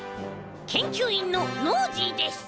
けんきゅういんのノージーです。